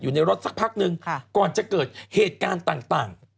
อยู่ในรถสักพักนึงก่อนจะเกิดเหตุการณ์ต่าง